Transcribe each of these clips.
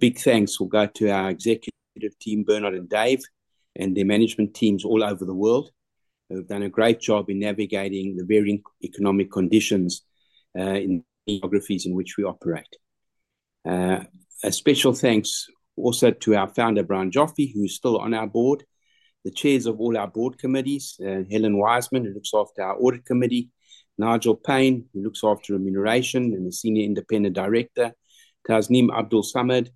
A big thanks will go to our executive team, Bernard and Dave, and their management teams all over the world who have done a great job in navigating the varying economic conditions in the geographies in which we operate. A special thanks also to our founder, Brian Joffe, who's still on our board, the chairs of all our board committees, Helen Wiseman, who looks after our Audit Committee, Nigel Payne, who looks after remuneration and is Senior Independent Director, Tasneem Abdool-Samad,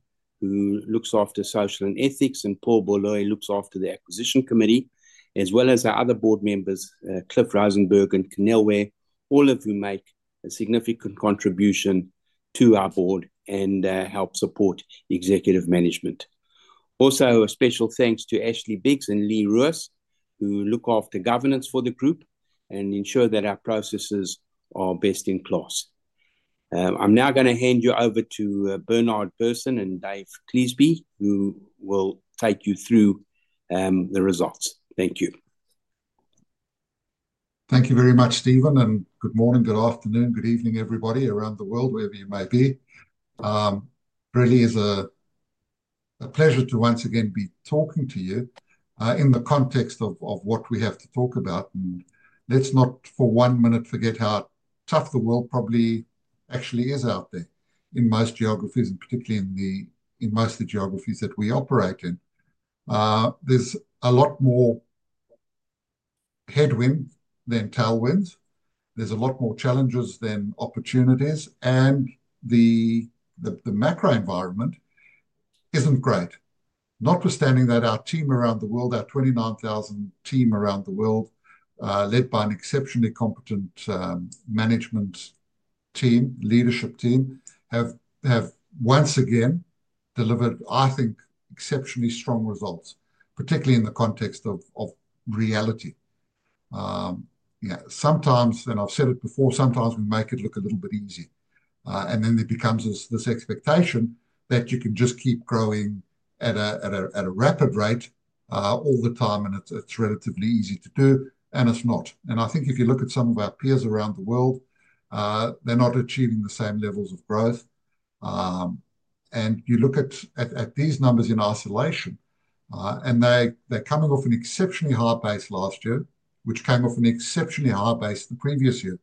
who looks after Social and Ethics, and Paul Baloyi looks after the Acquisition Committee, as well as our other board members, Cliff Rosenberg and Keneilwe Moloko, all of whom make a significant contribution to our board and help support executive management. Also, a special thanks to Ashley Biggs and Leigh Roos, who look after governance for the group and ensure that our processes are best in class. I'm now going to hand you over to Bernard Berson and Dave Cleasby, who will take you through the results. Thank you. Thank you very much, Stephen, and good morning, good afternoon, good evening, everybody around the world, wherever you may be. Really, it's a pleasure to once again be talking to you in the context of what we have to talk about, and let's not for one minute forget how tough the world probably actually is out there in most geographies, and particularly in most of the geographies that we operate in. There's a lot more headwinds than tailwinds. There's a lot more challenges than opportunities, and the macro environment isn't great. Notwithstanding that our team around the world, our 29,000 team around the world, led by an exceptionally competent management team, leadership team, have once again delivered, I think, exceptionally strong results, particularly in the context of reality. Yeah, sometimes, and I've said it before, sometimes we make it look a little bit easy. Then there becomes this expectation that you can just keep growing at a rapid rate all the time, and it's relatively easy to do, and it's not. I think if you look at some of our peers around the world, they're not achieving the same levels of growth. You look at these numbers in isolation, and they're coming off an exceptionally high base last year, which came off an exceptionally high base the previous year.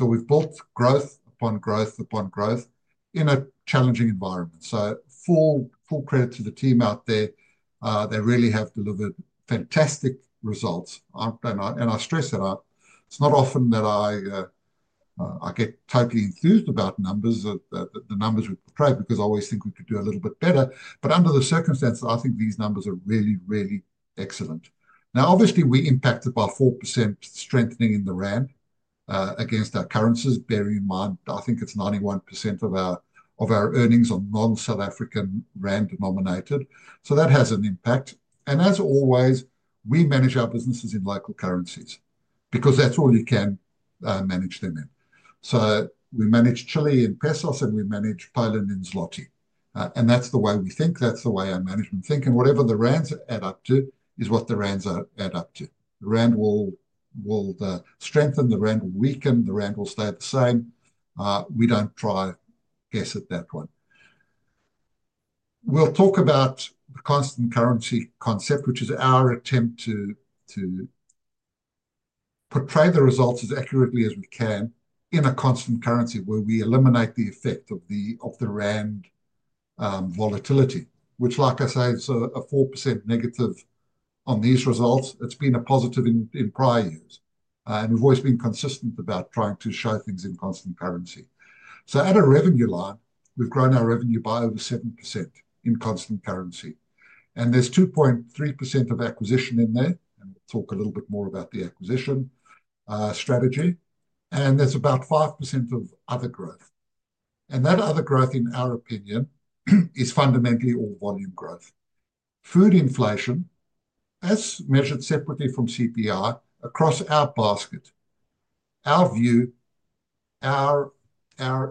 We've built growth upon growth upon growth in a challenging environment. Full credit to the team out there. They really have delivered fantastic results. I stress that out. It's not often that I get totally enthused about numbers, the numbers we portrayed, because I always think we could do a little bit better. Under the circumstances, I think these numbers are really, really excellent. Now, obviously, we [were] impacted by 4% strengthening in the Rand against our currencies. Bearing in mind, I think it's 91% of our earnings are non-South African Rand denominated. So that has an impact, and as always, we manage our businesses in local currencies because that's all you can manage them in. So we manage Chile in pesos, and we manage Poland in zloty. And that's the way we think. That's the way our management think. And whatever the Rands add up to is what the Rands add up to. The Rand will strengthen, the Rand will weaken, the Rand will stay the same. We don't try to guess at that one. We'll talk about the constant currency concept, which is our attempt to portray the results as accurately as we can in a constant currency where we eliminate the effect of the Rand volatility, which, like I say, is a 4% negative on these results. It's been a positive in prior years. And we've always been consistent about trying to show things in constant currency. So at a revenue line, we've grown our revenue by over 7% in constant currency. And there's 2.3% of acquisition in there. And we'll talk a little bit more about the acquisition strategy. And there's about 5% of other growth. And that other growth, in our opinion, is fundamentally all volume growth. Food inflation, as measured separately from CPI across our basket, our view, our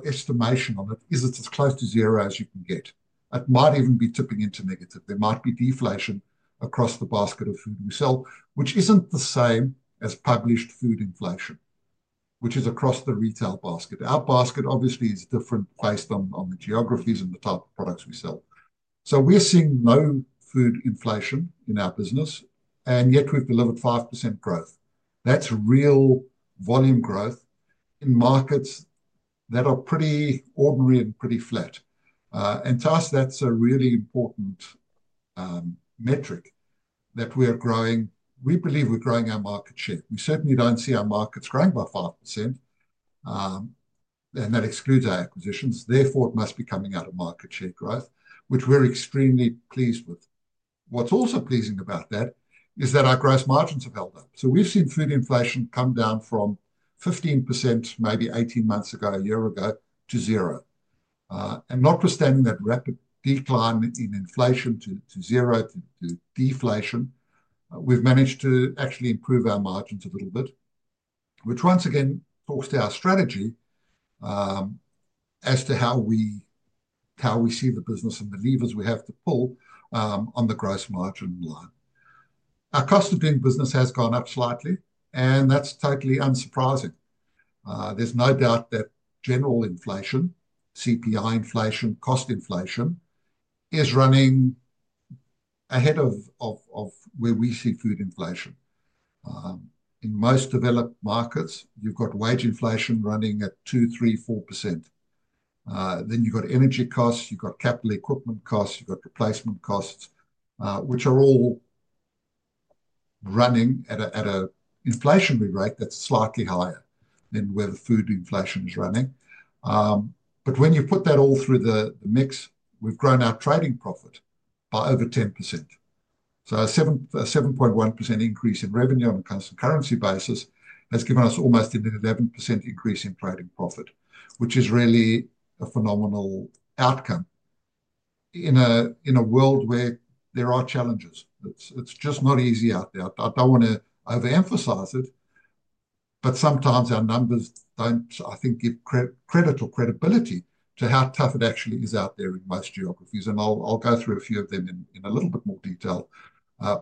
estimation on it is it's as close to zero as you can get. It might even be tipping into negative. There might be deflation across the basket of food we sell, which isn't the same as published food inflation, which is across the retail basket. Our basket, obviously, is different based on the geographies and the type of products we sell. So we're seeing no food inflation in our business, and yet we've delivered 5% growth. That's real volume growth in markets that are pretty ordinary and pretty flat, and to us, that's a really important metric that we are growing. We believe we're growing our market share. We certainly don't see our markets growing by 5%, and that excludes our acquisitions. Therefore, it must be coming out of market share growth, which we're extremely pleased with. What's also pleasing about that is that our gross margins have held up, so we've seen food inflation come down from 15% maybe 18 months ago, a year ago, to zero. Notwithstanding that rapid decline in inflation to zero, to deflation, we've managed to actually improve our margins a little bit, which once again talks to our strategy as to how we see the business and the levers we have to pull on the gross margin line. Our cost of doing business has gone up slightly, and that's totally unsurprising. There's no doubt that general inflation, CPI inflation, cost inflation is running ahead of where we see food inflation. In most developed markets, you've got wage inflation running at 2%, 3%, 4%. Then you've got energy costs, you've got capital equipment costs, you've got replacement costs, which are all running at an inflationary rate that's slightly higher than where the food inflation is running. But when you put that all through the mix, we've grown our trading profit by over 10%. A 7.1% increase in revenue on a constant currency basis has given us almost an 11% increase in trading profit, which is really a phenomenal outcome in a world where there are challenges. It's just not easy out there. I don't want to overemphasize it, but sometimes our numbers don't, I think, give credit or credibility to how tough it actually is out there in most geographies. And I'll go through a few of them in a little bit more detail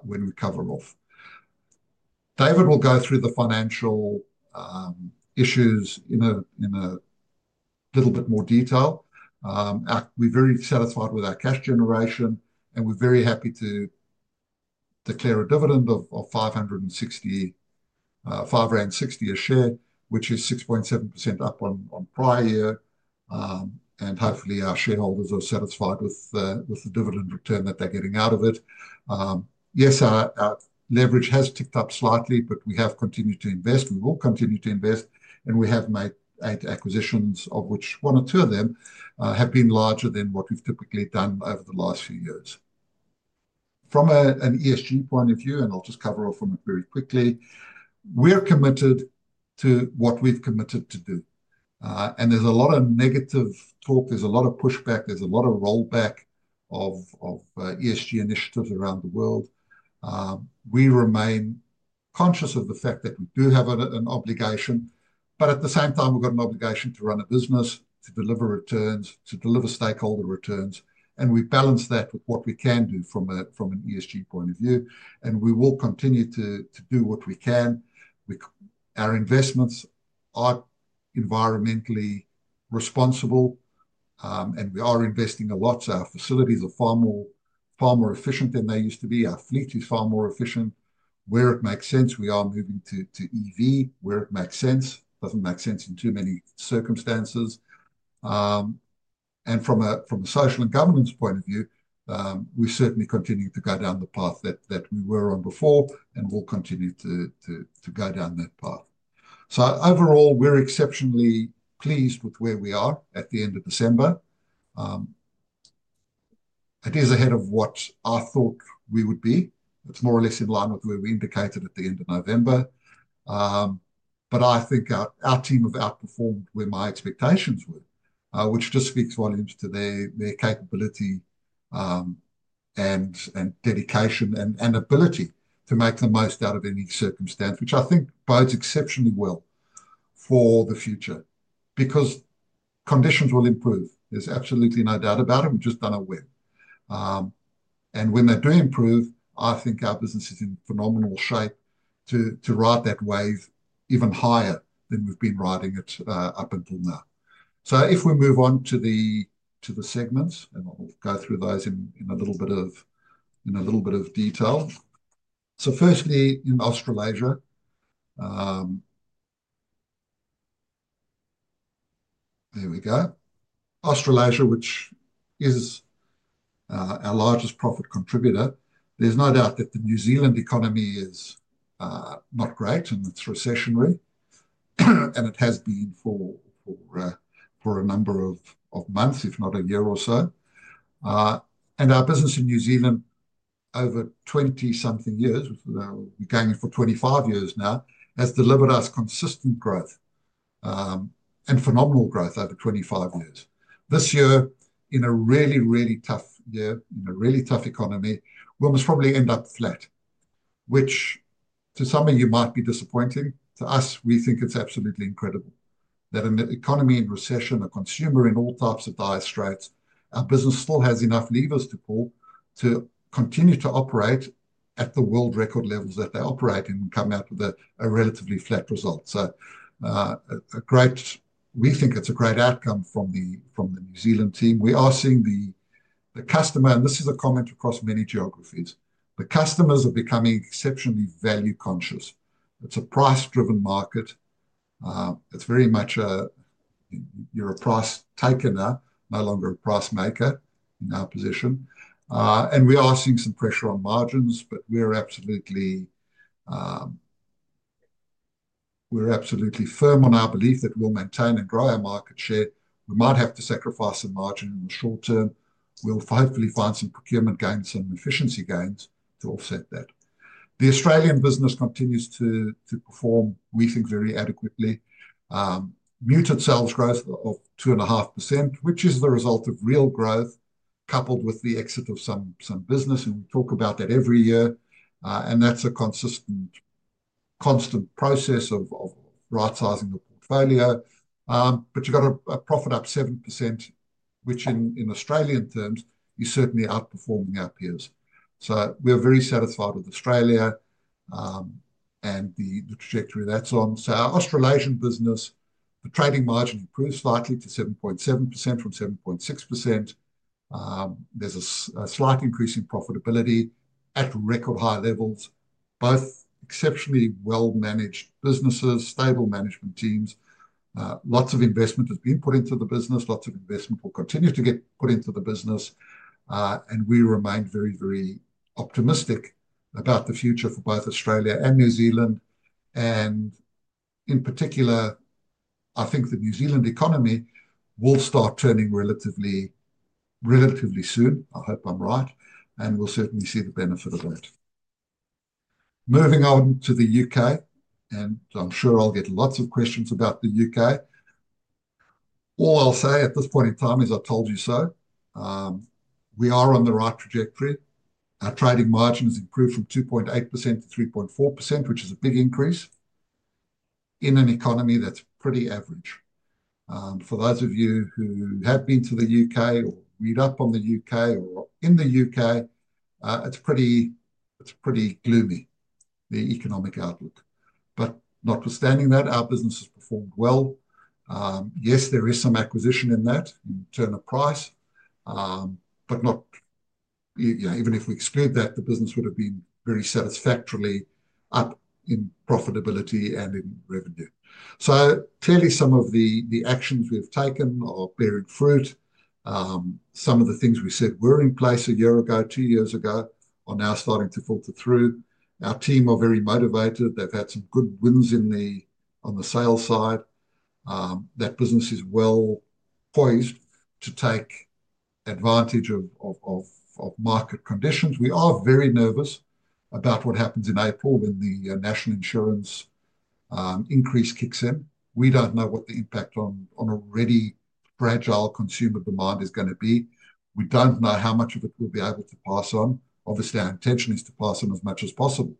when we cover off. David will go through the financial issues in a little bit more detail. We're very satisfied with our cash generation, and we're very happy to declare a dividend of 5.60 rand a share, which is 6.7% up on prior year. And hopefully, our shareholders are satisfied with the dividend return that they're getting out of it. Yes, our leverage has ticked up slightly, but we have continued to invest. We will continue to invest, and we have made eight acquisitions, of which one or two of them have been larger than what we've typically done over the last few years. From an ESG point of view, and I'll just cover off on it very quickly, we're committed to what we've committed to do. And there's a lot of negative talk. There's a lot of pushback. There's a lot of rollback of ESG initiatives around the world. We remain conscious of the fact that we do have an obligation, but at the same time, we've got an obligation to run a business, to deliver returns, to deliver stakeholder returns. And we balance that with what we can do from an ESG point of view. And we will continue to do what we can. Our investments are environmentally responsible, and we are investing a lot. Our facilities are far more efficient than they used to be. Our fleet is far more efficient where it makes sense. We are moving to EV where it makes sense. It doesn't make sense in too many circumstances, and from a social and governance point of view, we're certainly continuing to go down the path that we were on before and will continue to go down that path, so overall, we're exceptionally pleased with where we are at the end of December. It is ahead of what I thought we would be. It's more or less in line with where we indicated at the end of November. But I think our team have outperformed where my expectations were, which just speaks volumes to their capability and dedication and ability to make the most out of any circumstance, which I think bodes exceptionally well for the future because conditions will improve. There's absolutely no doubt about it. We've just done a win. And when they do improve, I think our business is in phenomenal shape to ride that wave even higher than we've been riding it up until now. So if we move on to the segments, and I'll go through those in a little bit of detail. So firstly, in Australasia. There we go. Australasia, which is our largest profit contributor. There's no doubt that the New Zealand economy is not great, and it's recessionary, and it has been for a number of months, if not a year or so. Our business in New Zealand, over 20-something years, we're going in for 25 years now, has delivered us consistent growth and phenomenal growth over 25 years. This year, in a really, really tough year, in a really tough economy, we almost probably end up flat, which to some of you might be disappointing. To us, we think it's absolutely incredible that an economy in recession, a consumer in all types of dire straits, our business still has enough levers to pull to continue to operate at the world record levels that they operate in and come out with a relatively flat result. So we think it's a great outcome from the New Zealand team. We are seeing the customer, and this is a comment across many geographies. The customers are becoming exceptionally value conscious. It's a price-driven market. It's very much that you're a price taker, no longer a price maker in our position. And we are seeing some pressure on margins, but we're absolutely firm on our belief that we'll maintain and grow our market share. We might have to sacrifice some margin in the short term. We'll hopefully find some procurement gains, some efficiency gains to offset that. The Australian business continues to perform, we think, very adequately. Muted sales growth of 2.5%, which is the result of real growth coupled with the exit of some business. And we talk about that every year. And that's a constant process of right-sizing the portfolio. But you've got a profit up 7%, which in Australian terms, you're certainly outperforming our peers. So we're very satisfied with Australia and the trajectory that's on. So our Australasian business, the trading margin improves slightly to 7.7% from 7.6%. There's a slight increase in profitability at record high levels. Both exceptionally well-managed businesses, stable management teams. Lots of investment has been put into the business. Lots of investment will continue to get put into the business. And we remain very, very optimistic about the future for both Australia and New Zealand. And in particular, I think the New Zealand economy will start turning relatively soon. I hope I'm right. And we'll certainly see the benefit of that. Moving on to the U.K., and I'm sure I'll get lots of questions about the U.K. All I'll say at this point in time is I've told you so. We are on the right trajectory. Our trading margin has improved from 2.8% to 3.4%, which is a big increase in an economy that's pretty average. For those of you who have been to the U.K. or read up on the U.K. or in the U.K., it's pretty gloomy, the economic outlook, but notwithstanding that, our business has performed well. Yes, there is some inflation in that, in terms of price, but even if we exclude that, the business would have been very satisfactorily up in profitability and in revenue, so clearly, some of the actions we've taken are bearing fruit. Some of the things we said were in place a year ago, two years ago, are now starting to filter through. Our team are very motivated. They've had some good wins on the sales side. That business is well poised to take advantage of market conditions. We are very nervous about what happens in April when the National Insurance increase kicks in. We don't know what the impact on already fragile consumer demand is going to be. We don't know how much of it we'll be able to pass on. Obviously, our intention is to pass on as much as possible.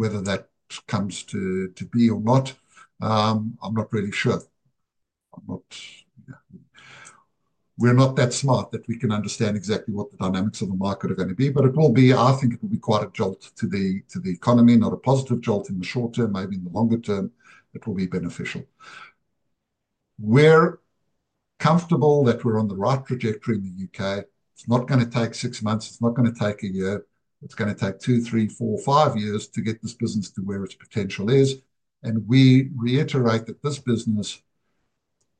Whether that comes to be or not, I'm not really sure. We're not that smart that we can understand exactly what the dynamics of the market are going to be, but it will be, I think it will be quite a jolt to the economy, not a positive jolt in the short term, maybe in the longer term. It will be beneficial. We're comfortable that we're on the right trajectory in the U.K. It's not going to take six months. It's not going to take a year. It's going to take two, three, four, five years to get this business to where its potential is. We reiterate that this business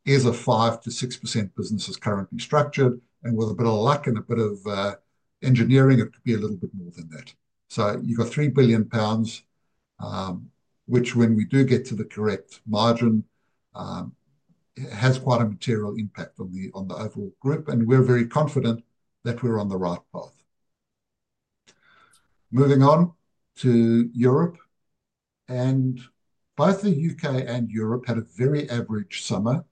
is a 5%-6% business as currently structured. With a bit of luck and a bit of engineering, it could be a little bit more than that. You've got 3 billion pounds, which when we do get to the correct margin, has quite a material impact on the overall group. We're very confident that we're on the right path. Moving on to Europe. Both the U.K. and Europe had a very average summer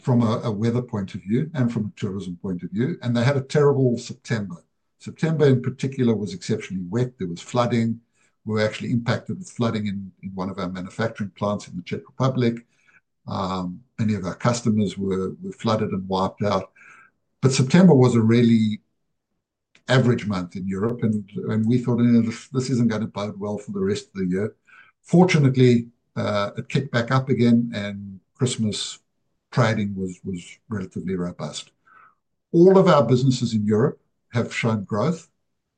from a weather point of view and from a tourism point of view. They had a terrible September. September in particular was exceptionally wet. There was flooding. We were actually impacted with flooding in one of our manufacturing plants in the Czech Republic. Many of our customers were flooded and wiped out. September was a really average month in Europe. We thought, this isn't going to bode well for the rest of the year. Fortunately, it kicked back up again, and Christmas trading was relatively robust. All of our businesses in Europe have shown growth,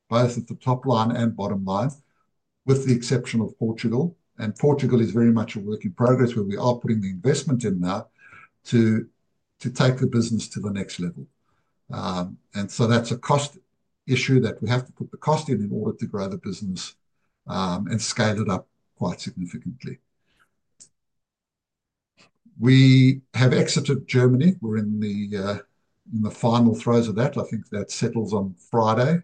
both at the top line and bottom line, with the exception of Portugal. Portugal is very much a work in progress where we are putting the investment in now to take the business to the next level. That's a cost issue that we have to put the cost in order to grow the business and scale it up quite significantly. We have exited Germany. We're in the final throes of that. I think that settles on Friday.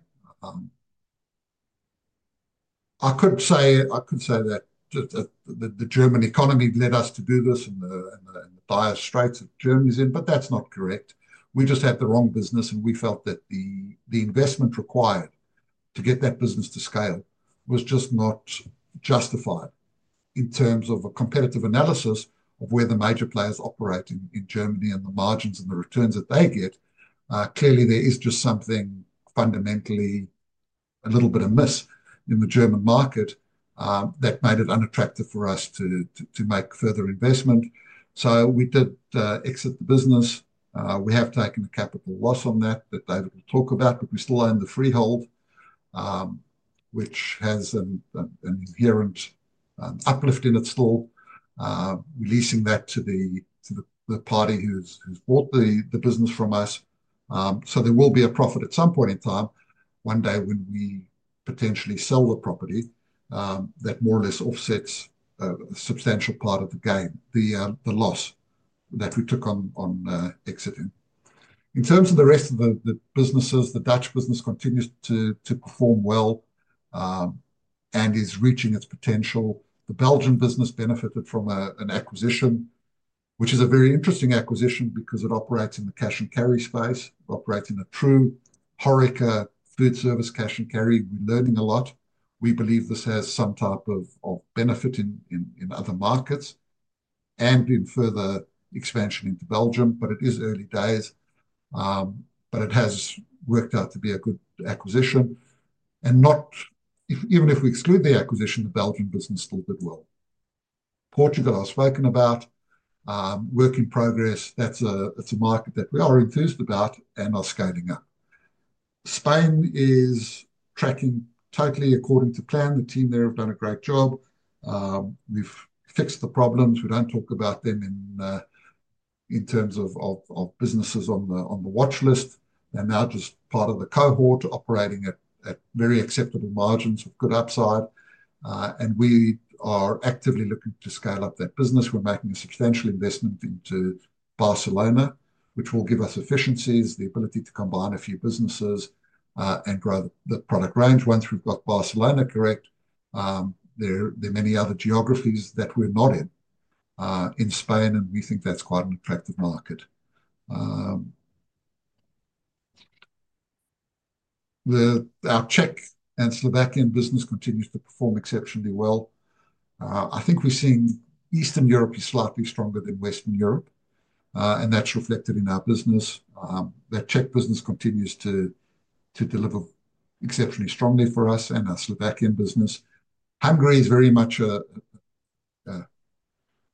I could say that the German economy led us to do this and the dire straits that Germany's in, but that's not correct. We just had the wrong business, and we felt that the investment required to get that business to scale was just not justified in terms of a competitive analysis of where the major players operate in Germany and the margins and the returns that they get. Clearly, there is just something fundamentally a little bit amiss in the German market that made it unattractive for us to make further investment. So we did exit the business. We have taken a capital loss on that that David will talk about, but we still own the freehold, which has an inherent uplift in it still, releasing that to the party who's bought the business from us. So there will be a profit at some point in time, one day when we potentially sell the property, that more or less offsets a substantial part of the gain, the loss that we took on exiting. In terms of the rest of the businesses, the Dutch business continues to perform well and is reaching its potential. The Belgian business benefited from an acquisition, which is a very interesting acquisition because it operates in the cash and carry space, operates in a true Horeca foodservice cash and carry. We're learning a lot. We believe this has some type of benefit in other markets and in further expansion into Belgium, but it is early days. But it has worked out to be a good acquisition. And even if we exclude the acquisition, the Belgian business still did well. Portugal I've spoken about, work in progress. That's a market that we are enthused about and are scaling up. Spain is tracking totally according to plan. The team there have done a great job. We've fixed the problems. We don't talk about them in terms of businesses on the watch list. They're now just part of the cohort operating at very acceptable margins with good upside. And we are actively looking to scale up that business. We're making a substantial investment into Barcelona, which will give us efficiencies, the ability to combine a few businesses and grow the product range. Once we've got Barcelona correct, there are many other geographies that we're not in Spain, and we think that's quite an attractive market. Our Czech and Slovakian business continues to perform exceptionally well. I think we're seeing Eastern Europe is slightly stronger than Western Europe, and that's reflected in our business. The Czech business continues to deliver exceptionally strongly for us and our Slovak business. Hungary is very much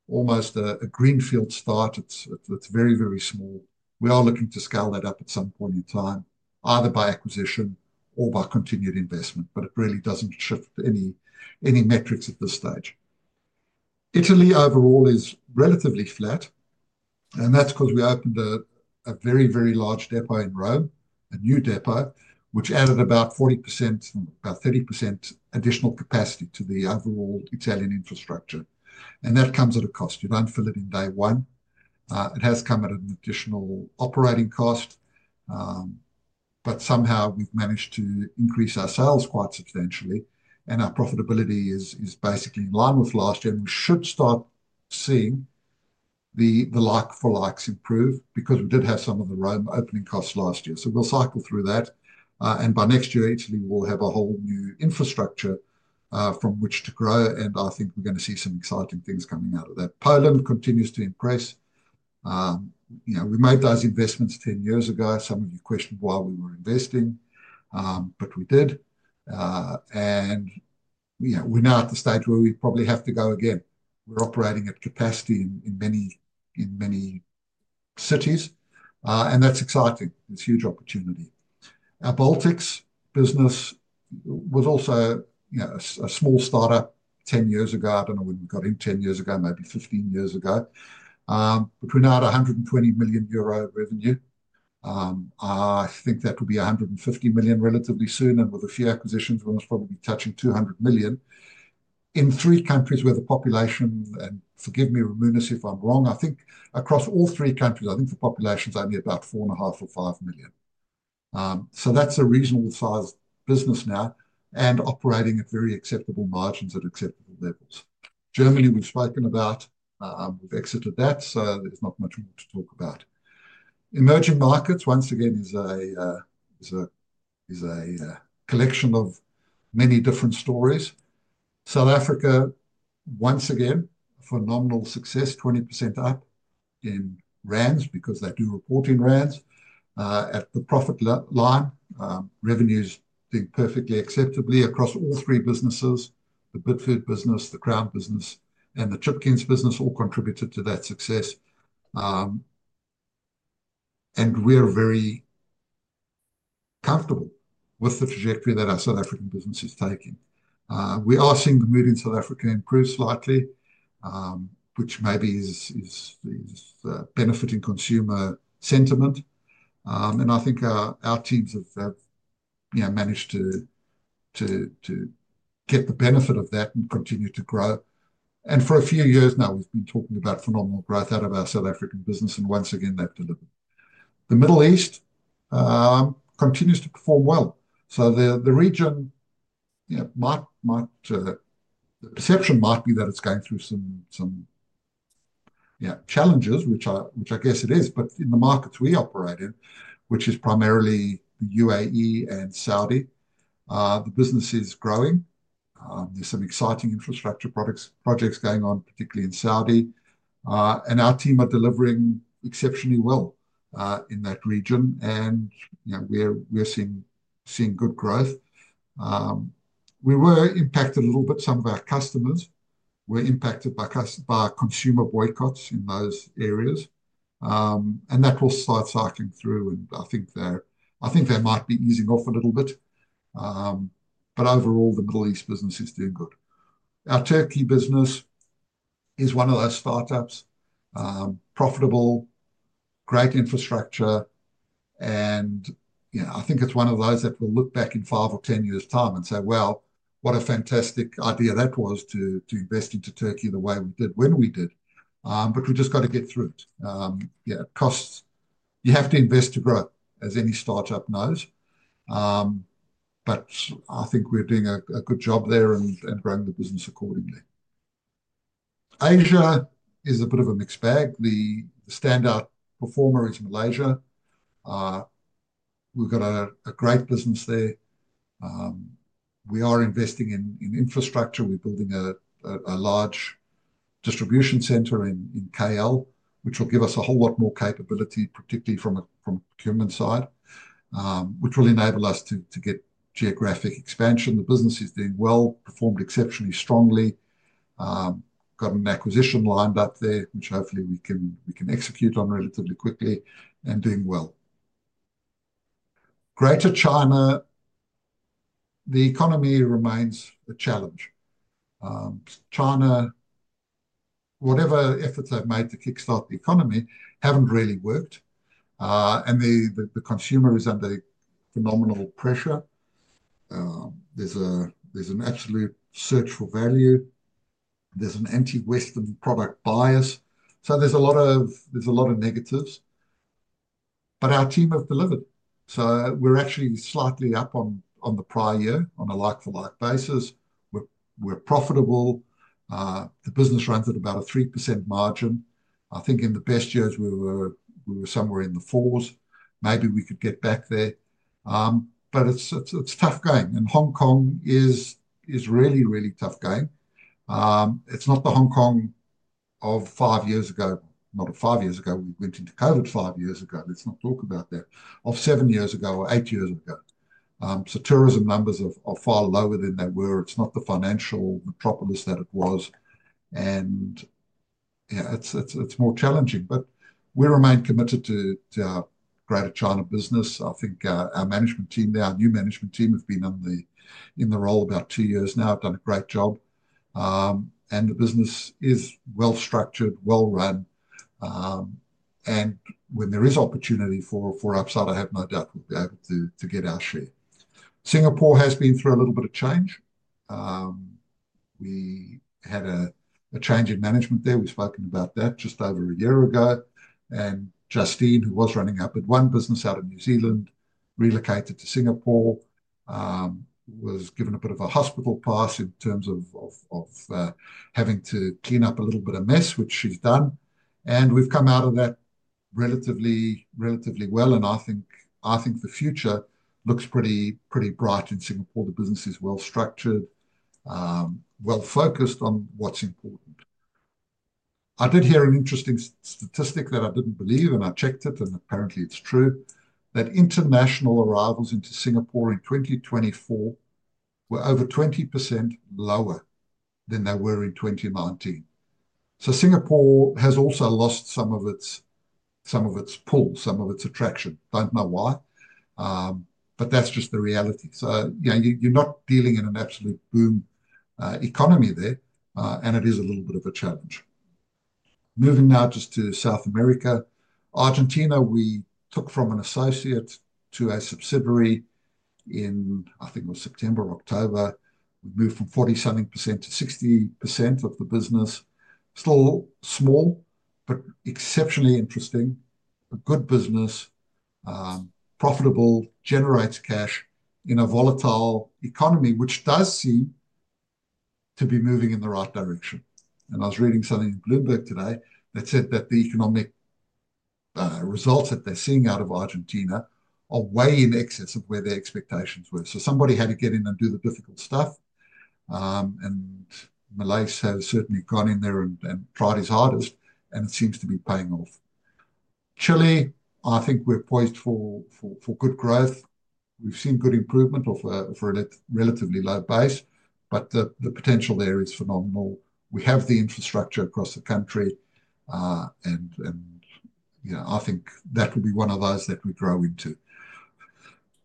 almost a greenfield start. It's very, very small. We are looking to scale that up at some point in time, either by acquisition or by continued investment, but it really doesn't shift any metrics at this stage. Italy overall is relatively flat, and that's because we opened a very, very large depot in Rome, a new depot, which added about 40%, about 30% additional capacity to the overall Italian infrastructure, and that comes at a cost. You don't fill it in day one. It has come at an additional operating cost, but somehow we've managed to increase our sales quite substantially, and our profitability is basically in line with last year, and we should start seeing the like-for-likes improve because we did have some of the Rome opening costs last year. We'll cycle through that. And by next year, Italy will have a whole new infrastructure from which to grow, and I think we're going to see some exciting things coming out of that. Poland continues to impress. We made those investments 10 years ago. Some of you questioned why we were investing, but we did. And we're now at the stage where we probably have to go again. We're operating at capacity in many cities, and that's exciting. It's a huge opportunity. Our Baltics business was also a small startup 10 years ago. I don't know when we got in 10 years ago, maybe 15 years ago, but we're now at 120 million euro revenue. I think that will be 150 million relatively soon. And with a few acquisitions, we'll probably be touching 200 million in three countries where the population, and forgive me, remove us if I'm wrong. I think across all three countries, I think the population is only about 4.5 or 5 million. So that's a reasonable size business now and operating at very acceptable margins at acceptable levels. Germany we've spoken about. We've exited that, so there's not much more to talk about. Emerging markets, once again, is a collection of many different stories. South Africa, once again, a phenomenal success, 20% up in Rands because they do report in Rands at the profit line. Revenues did perfectly acceptably across all three businesses: the Bidfood business, the Crown business, and the Chipkins business all contributed to that success, and we're very comfortable with the trajectory that our South African business is taking. We are seeing the mood in South Africa improve slightly, which maybe is benefiting consumer sentiment, and I think our teams have managed to get the benefit of that and continue to grow. And for a few years now, we've been talking about phenomenal growth out of our South African business, and once again, they've delivered. The Middle East continues to perform well. So the region, the perception might be that it's going through some challenges, which I guess it is. But in the markets we operate in, which is primarily the UAE and Saudi, the business is growing. There's some exciting infrastructure projects going on, particularly in Saudi. And our team are delivering exceptionally well in that region, and we're seeing good growth. We were impacted a little bit. Some of our customers were impacted by consumer boycotts in those areas, and that will start cycling through. And I think they might be easing off a little bit. But overall, the Middle East business is doing good. Our Turkey business is one of those startups, profitable, great infrastructure. And I think it's one of those that will look back in five or 10 years' time and say, "Wow, what a fantastic idea that was to invest into Turkey the way we did when we did." But we've just got to get through it. You have to invest to grow, as any startup knows. But I think we're doing a good job there and growing the business accordingly. Asia is a bit of a mixed bag. The standout performer is Malaysia. We've got a great business there. We are investing in infrastructure. We're building a large distribution center in KL, which will give us a whole lot more capability, particularly from the procurement side, which will enable us to get geographic expansion. The business is doing well, performed exceptionally strongly. Got an acquisition lined up there, which hopefully we can execute on relatively quickly and doing well. Greater China, the economy remains a challenge. China, whatever efforts I've made to kickstart the economy haven't really worked, and the consumer is under phenomenal pressure. There's an absolute search for value. There's an anti-Western product bias, so there's a lot of negatives, but our team have delivered, so we're actually slightly up on the prior year on a like-for-like basis. We're profitable. The business runs at about a 3% margin. I think in the best years, we were somewhere in the fours. Maybe we could get back there, but it's tough going, and Hong Kong is really, really tough going. It's not the Hong Kong of five years ago, not of five years ago. We went into COVID five years ago. Let's not talk about that, of seven years ago or eight years ago, so tourism numbers are far lower than they were. It's not the financial metropolis that it was. And it's more challenging, but we remain committed to our Greater China business. I think our management team now, our new management team, have been in the role about two years now. They've done a great job. And the business is well-structured, well-run. And when there is opportunity for upside, I have no doubt we'll be able to get our share. Singapore has been through a little bit of change. We had a change in management there. We've spoken about that just over a year ago. And Justine, who was running the New Zealand business, relocated to Singapore, was given a bit of a hospital pass in terms of having to clean up a little bit of mess, which she's done. And we've come out of that relatively well. I think the future looks pretty bright in Singapore. The business is well-structured, well-focused on what's important. I did hear an interesting statistic that I didn't believe, and I checked it, and apparently it's true, that international arrivals into Singapore in 2024 were over 20% lower than they were in 2019. Singapore has also lost some of its pull, some of its attraction. Don't know why, but that's just the reality. You're not dealing in an absolute boom economy there, and it is a little bit of a challenge. Moving now just to South America. Argentina, we took from an associate to a subsidiary in, I think it was September or October. We moved from 40-something% to 60% of the business. Still small, but exceptionally interesting. A good business, profitable, generates cash in a volatile economy, which does seem to be moving in the right direction. I was reading something in Bloomberg today that said that the economic results that they're seeing out of Argentina are way in excess of where their expectations were. Somebody had to get in and do the difficult stuff. Malaysia has certainly gone in there and tried his hardest, and it seems to be paying off. Chile, I think we're poised for good growth. We've seen good improvement off a relatively low base, but the potential there is phenomenal. We have the infrastructure across the country, and I think that will be one of those that we grow into.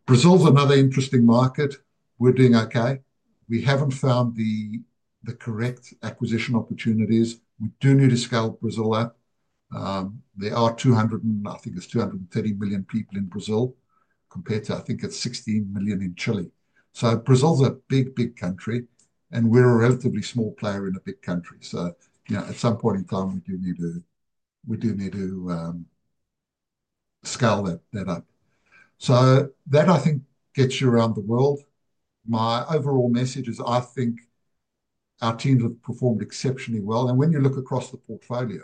Brazil is another interesting market. We're doing okay. We haven't found the correct acquisition opportunities. We do need to scale Brazil up. There are 200, I think it's 230 million people in Brazil compared to, I think it's 16 million in Chile. Brazil's a big, big country, and we're a relatively small player in a big country. So at some point in time, we do need to scale that up. So that, I think, gets you around the world. My overall message is I think our teams have performed exceptionally well. And when you look across the portfolio,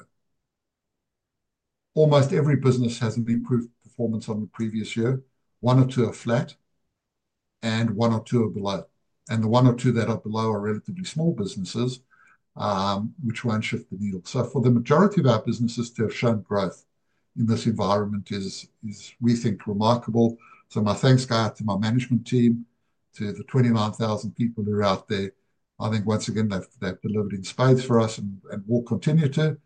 almost every business has an improved performance on the previous year. One or two are flat, and one or two are below. And the one or two that are below are relatively small businesses, which won't shift the needle. So for the majority of our businesses to have shown growth in this environment is, we think, remarkable. So my thanks go out to my management team, to the 29,000 people who are out there. I think, once again, they've delivered in spades for us and will continue to.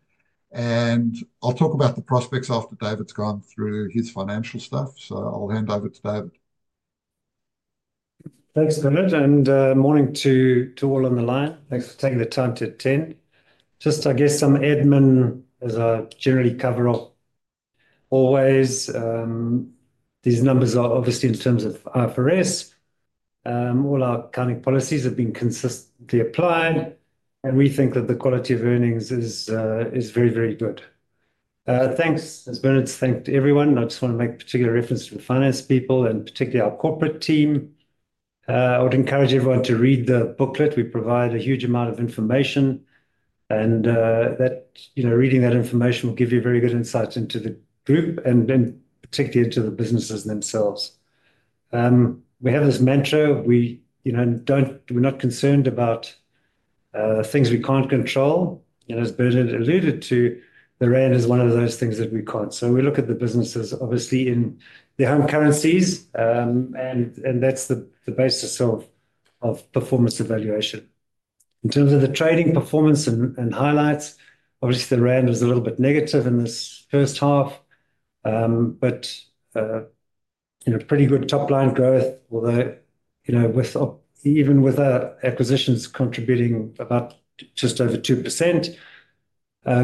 And I'll talk about the prospects after David's gone through his financial stuff. So I'll hand over to David. Thanks, Bernard. Good morning to all on the line. Thanks for taking the time to attend. Just, I guess, some admin, as I generally cover as always. These numbers are obviously in terms of IFRS. All our accounting policies have been consistently applied, and we think that the quality of earnings is very, very good. Thanks, as Bernard said. Thank everyone. I just want to make a particular reference to the finance people and particularly our corporate team. I would encourage everyone to read the booklet. We provide a huge amount of information, and reading that information will give you very good insights into the group and particularly into the businesses themselves. We have this mantra. We're not concerned about things we can't control. As Bernard alluded to, the rand is one of those things that we can't. So we look at the businesses, obviously, in their home currencies, and that's the basis of performance evaluation. In terms of the trading performance and highlights, obviously, the rand was a little bit negative in this first half, but pretty good top-line growth, although even with acquisitions contributing about just over 2%.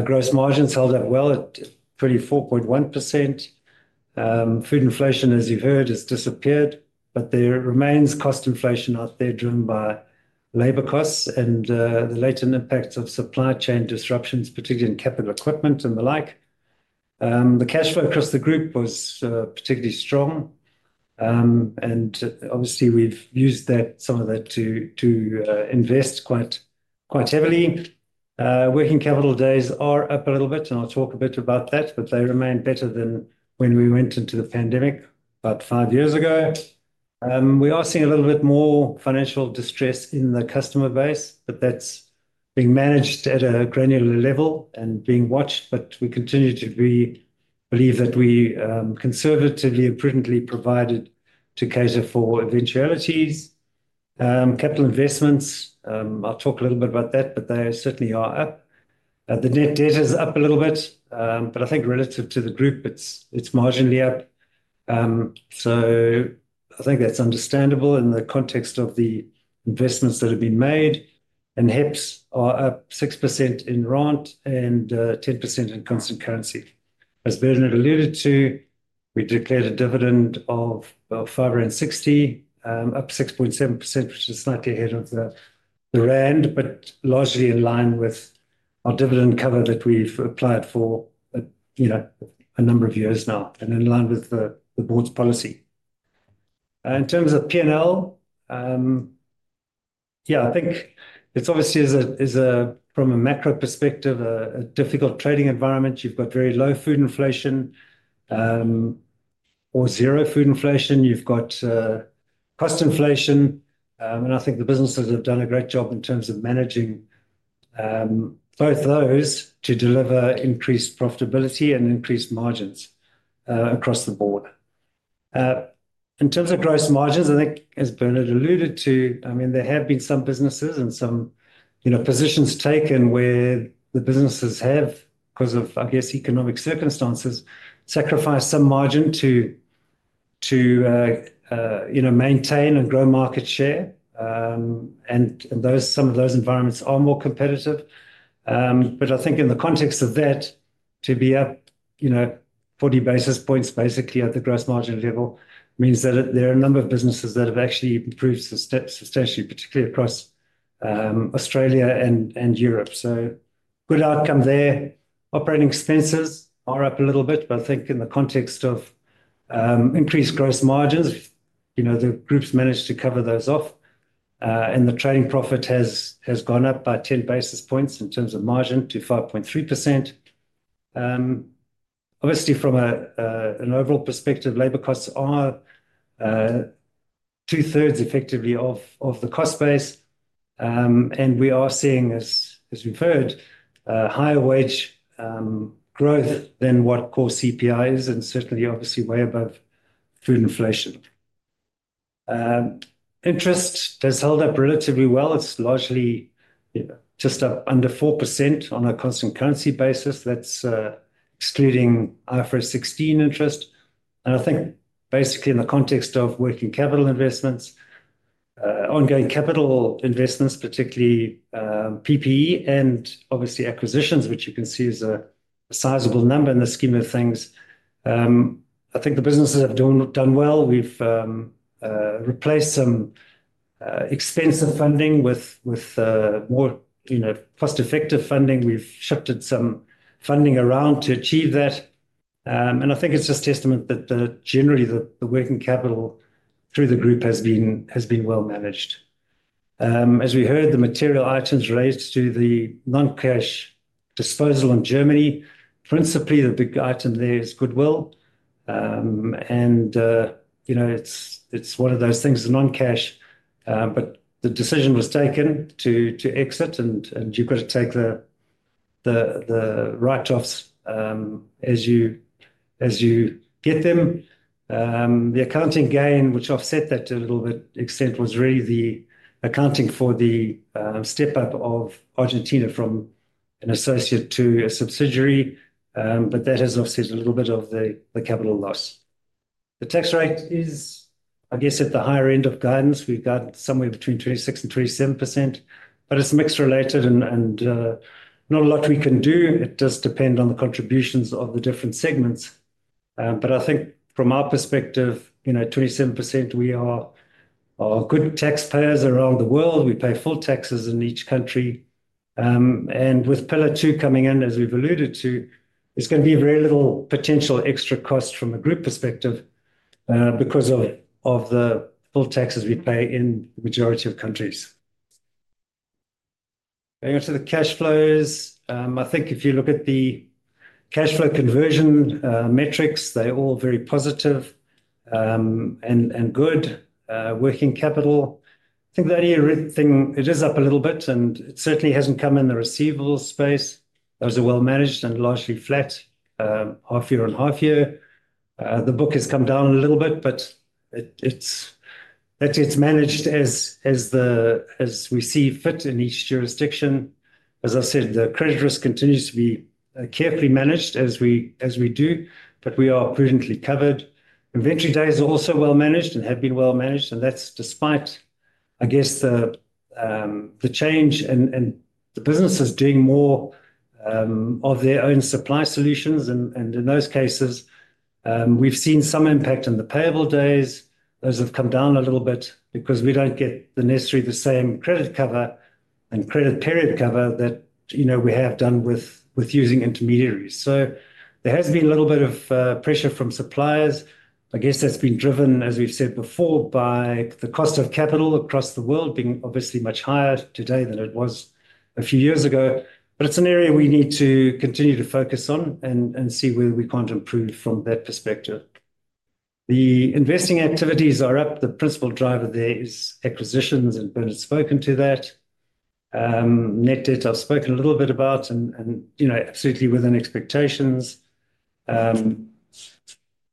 Gross margins held up well at 34.1%. Food inflation, as you've heard, has disappeared, but there remains cost inflation out there driven by labor costs and the latent impacts of supply chain disruptions, particularly in capital equipment and the like. The cash flow across the group was particularly strong, and obviously, we've used some of that to invest quite heavily. Working capital days are up a little bit, and I'll talk a bit about that, but they remain better than when we went into the pandemic about five years ago. We are seeing a little bit more financial distress in the customer base, but that's being managed at a granular level and being watched. But we continue to believe that we conservatively and prudently provided to cater for eventualities. Capital investments, I'll talk a little bit about that, but they certainly are up. The net debt is up a little bit, but I think relative to the group, it's marginally up. So I think that's understandable in the context of the investments that have been made, and HEPS are up 6% in Rand and 10% in constant currency. As Bernard alluded to, we declared a dividend of 5.60, up 6.7%, which is slightly ahead of the Rand, but largely in line with our dividend cover that we've applied for a number of years now and in line with the board's policy. In terms of P&L, yeah, I think it's obviously, from a macro perspective, a difficult trading environment. You've got very low food inflation or zero food inflation. You've got cost inflation. And I think the businesses have done a great job in terms of managing both those to deliver increased profitability and increased margins across the board. In terms of gross margins, I think, as Bernard alluded to, I mean, there have been some businesses and some positions taken where the businesses have, because of, I guess, economic circumstances, sacrificed some margin to maintain and grow market share. And some of those environments are more competitive. But I think in the context of that, to be up 40 basis points basically at the gross margin level means that there are a number of businesses that have actually improved substantially, particularly across Australia and Europe. So good outcome there. Operating expenses are up a little bit, but I think in the context of increased gross margins, the group's managed to cover those off. And the trading profit has gone up by 10 basis points in terms of margin to 5.3%. Obviously, from an overall perspective, labor costs are two-thirds effectively of the cost base. And we are seeing, as we've heard, higher wage growth than what core CPI is and certainly, obviously, way above food inflation. Interest has held up relatively well. It's largely just up under 4% on a constant currency basis. That's excluding IFRS 16 interest. I think, basically, in the context of working capital investments, ongoing capital investments, particularly PPE, and obviously acquisitions, which you can see is a sizable number in the scheme of things. I think the businesses have done well. We've replaced some expensive funding with more cost-effective funding. We've shifted some funding around to achieve that. And I think it's just a testament that generally the working capital through the group has been well managed. As we heard, the material items related to the non-cash disposal in Germany, principally the big item there is goodwill. And it's one of those things, non-cash, but the decision was taken to exit, and you've got to take the write-offs as you get them. The accounting gain, which offset that to a little bit extent, was really the accounting for the step-up of Argentina from an associate to a subsidiary. But that has offset a little bit of the capital loss. The tax rate is, I guess, at the higher end of guidance. We've got somewhere between 26%-27%, but it's mixed related and not a lot we can do. It does depend on the contributions of the different segments. But I think from our perspective, 27%, we are good taxpayers around the world. We pay full taxes in each country. And with Pillar Two coming in, as we've alluded to, it's going to be very little potential extra cost from a group perspective because of the full taxes we pay in the majority of countries. Going on to the cash flows, I think if you look at the cash flow conversion metrics, they're all very positive and good. Working capital, I think that year thing, it is up a little bit, and it certainly hasn't come in the receivable space. Those are well managed and largely flat, half year on half year. The book has come down a little bit, but that gets managed as we see fit in each jurisdiction. As I said, the credit risk continues to be carefully managed as we do, but we are prudently covered. Inventory days are also well managed and have been well managed, and that's despite, I guess, the change and the businesses doing more of their own supply solutions, and in those cases, we've seen some impact in the payable days. Those have come down a little bit because we don't get necessarily the same credit cover and credit period cover that we have done with using intermediaries. So there has been a little bit of pressure from suppliers. I guess that's been driven, as we've said before, by the cost of capital across the world being obviously much higher today than it was a few years ago. But it's an area we need to continue to focus on and see where we can't improve from that perspective. The investing activities are up. The principal driver there is acquisitions, and Bernard spoke into that. Net debt I've spoken a little bit about and absolutely within expectations. And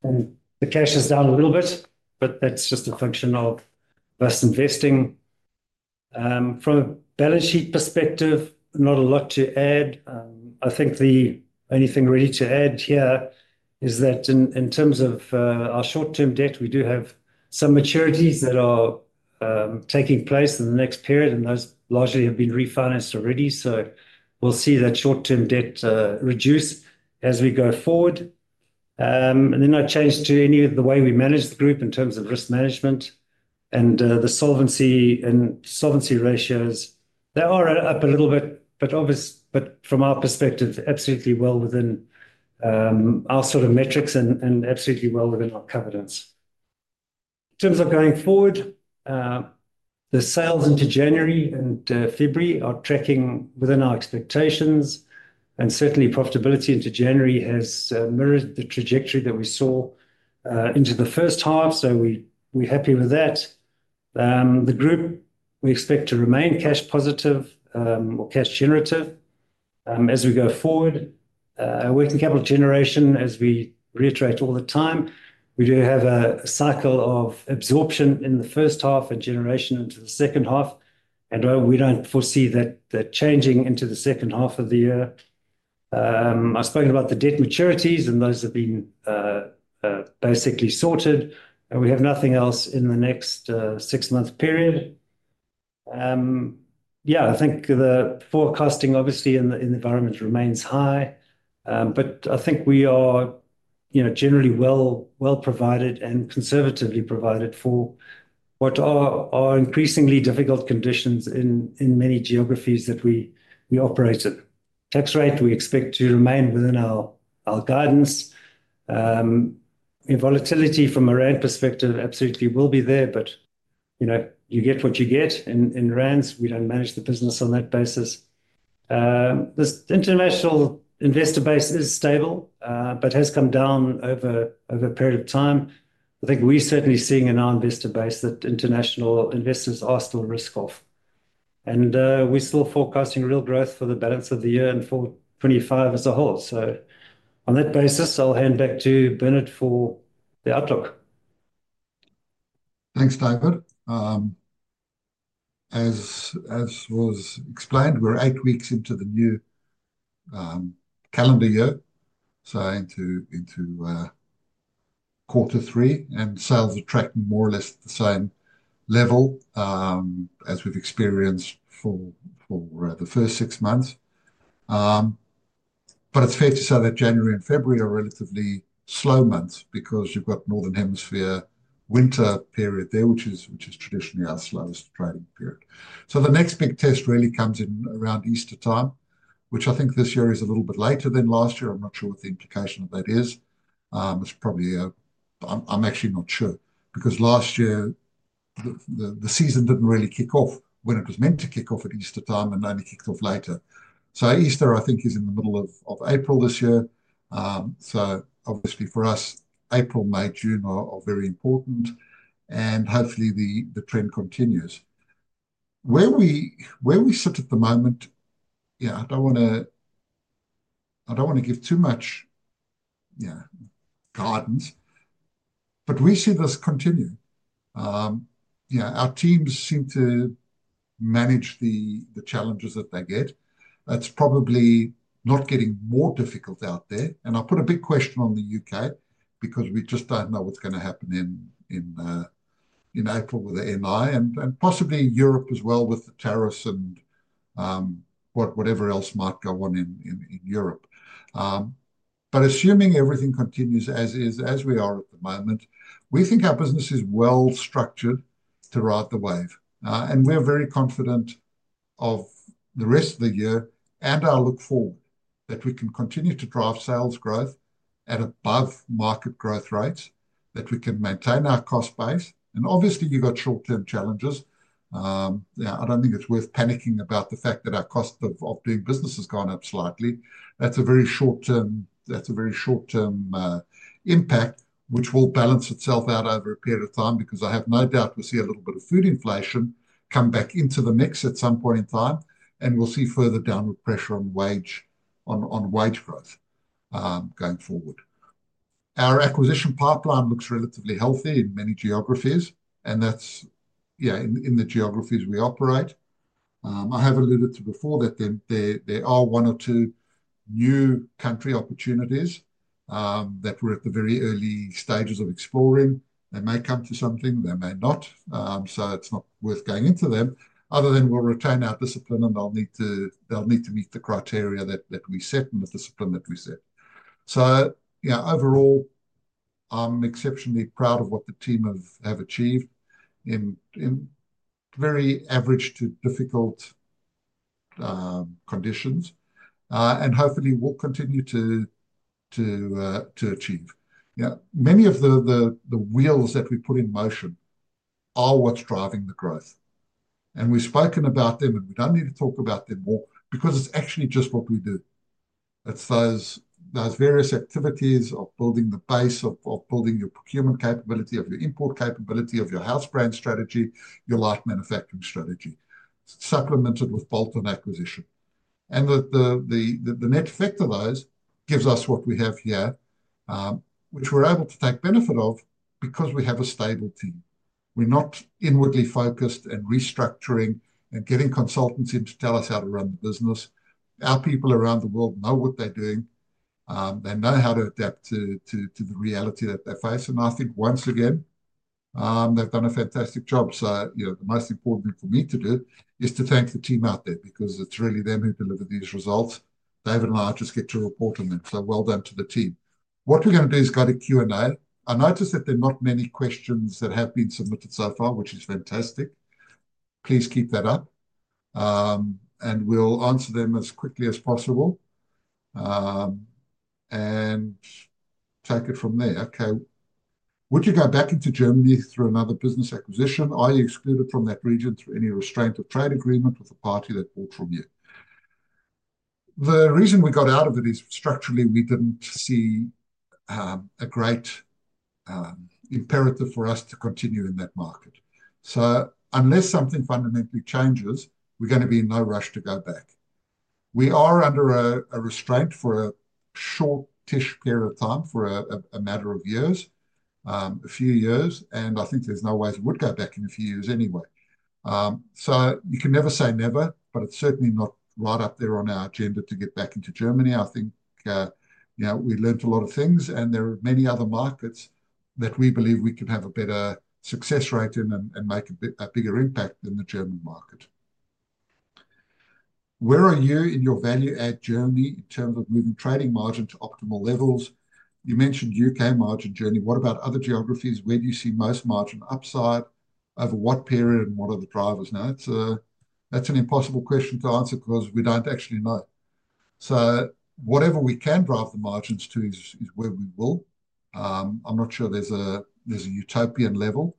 the cash is down a little bit, but that's just a function of us investing. From a balance sheet perspective, not a lot to add. I think the only thing really to add here is that in terms of our short-term debt, we do have some maturities that are taking place in the next period, and those largely have been refinanced already. We'll see that short-term debt reduce as we go forward. And then in terms of the way we manage the group in terms of risk management and the solvency ratios. They are up a little bit, but from our perspective, absolutely well within our sort of metrics and absolutely well within our covenants. In terms of going forward, the sales into January and February are tracking within our expectations. And certainly, profitability into January has mirrored the trajectory that we saw into the first half. So we're happy with that. The group, we expect to remain cash positive or cash generative as we go forward. Working capital generation, as we reiterate all the time, we do have a cycle of absorption in the first half and generation into the second half. And we don't foresee that changing into the second half of the year. I've spoken about the debt maturities, and those have been basically sorted. And we have nothing else in the next six-month period. Yeah, I think the forecasting, obviously, in the environment remains high. But I think we are generally well provided and conservatively provided for what are increasingly difficult conditions in many geographies that we operate in. Tax rate, we expect to remain within our guidance. Volatility from a Rand perspective absolutely will be there, but you get what you get in Rands. We don't manage the business on that basis. The international investor base is stable but has come down over a period of time. I think we're certainly seeing in our investor base that international investors are still risk-off. And we're still forecasting real growth for the balance of the year and for 2025 as a whole. So on that basis, I'll hand back to Bernard for the outlook. Thanks, David. As was explained, we're eight weeks into the new calendar year, so into quarter three. And sales are tracking more or less the same level as we've experienced for the first six months. But it's fair to say that January and February are relatively slow months because you've got Northern Hemisphere winter period there, which is traditionally our slowest trading period. So the next big test really comes in around Easter time, which I think this year is a little bit later than last year. I'm not sure what the implication of that is. It's probably. I'm actually not sure because last year, the season didn't really kick off when it was meant to kick off at Easter time and only kicked off later. So Easter, I think, is in the middle of April this year. So obviously, for us, April, May, June are very important. And hopefully, the trend continues. Where we sit at the moment, yeah, I don't want to give too much guidance, but we see this continue. Our teams seem to manage the challenges that they get. It's probably not getting more difficult out there. And I put a big question on the U.K. because we just don't know what's going to happen in April with the NI and possibly Europe as well with the tariffs and whatever else might go on in Europe. But assuming everything continues as we are at the moment, we think our business is well structured to ride the wave. And we're very confident of the rest of the year and our look forward that we can continue to drive sales growth at above market growth rates, that we can maintain our cost base. Obviously, you've got short-term challenges. I don't think it's worth panicking about the fact that our cost of doing business has gone up slightly. That's a very short-term impact, which will balance itself out over a period of time because I have no doubt we'll see a little bit of food inflation come back into the mix at some point in time. We'll see further downward pressure on wage growth going forward. Our acquisition pipeline looks relatively healthy in many geographies, and that's in the geographies we operate. I have alluded to before that there are one or two new country opportunities that we're at the very early stages of exploring. They may come to something. They may not. It's not worth going into them other than we'll retain our discipline and they'll need to meet the criteria that we set and the discipline that we set. So overall, I'm exceptionally proud of what the team have achieved in very average to difficult conditions. And hopefully, we'll continue to achieve. Many of the wheels that we put in motion are what's driving the growth. And we've spoken about them, and we don't need to talk about them more because it's actually just what we do. It's those various activities of building the base of building your procurement capability, of your import capability, of your house brand strategy, your light manufacturing strategy, supplemented with bolt-on acquisition. And the net effect of those gives us what we have here, which we're able to take benefit of because we have a stable team. We're not inwardly focused and restructuring and getting consultants in to tell us how to run the business. Our people around the world know what they're doing. They know how to adapt to the reality that they face. And I think once again, they've done a fantastic job. So the most important thing for me to do is to thank the team out there because it's really them who deliver these results. David and I just get to report on them. So well done to the team. What we're going to do is go to Q&A. I noticed that there are not many questions that have been submitted so far, which is fantastic. Please keep that up. And we'll answer them as quickly as possible and take it from there. Okay. Would you go back into Germany through another business acquisition? Are you excluded from that region through any restraint of trade agreement with the party that bought from you? The reason we got out of it is structurally, we didn't see a great imperative for us to continue in that market, so unless something fundamentally changes, we're going to be in no rush to go back. We are under a restraint for a short-ish period of time for a matter of years, a few years, and I think there's no way we would go back in a few years anyway, so you can never say never, but it's certainly not right up there on our agenda to get back into Germany. I think we learned a lot of things, and there are many other markets that we believe we could have a better success rate in and make a bigger impact than the German market. Where are you in your value-add journey in terms of moving trading margin to optimal levels? You mentioned U.K. margin journey. What about other geographies? Where do you see most margin upside? Over what period and what are the drivers? Now, that's an impossible question to answer because we don't actually know. So whatever we can drive the margins to is where we will. I'm not sure there's a utopian level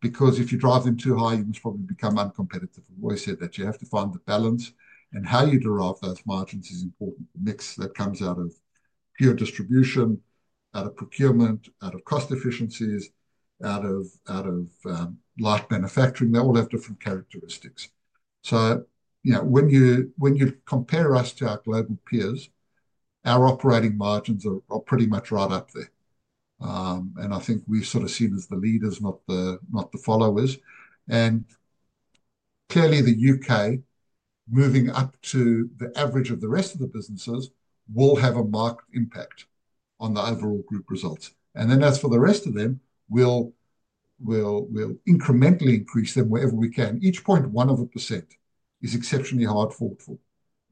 because if you drive them too high, you must probably become uncompetitive. We always said that you have to find the balance, and how you derive those margins is important. The mix that comes out of pure distribution, out of procurement, out of cost efficiencies, out of light manufacturing, they all have different characteristics. So when you compare us to our global peers, our operating margins are pretty much right up there. And I think we're sort of seen as the leaders, not the followers. And clearly, the U.K. moving up to the average of the rest of the businesses will have a marked impact on the overall group results. And then as for the rest of them, we'll incrementally increase them wherever we can. Each 0.1% is exceptionally hard-fought for.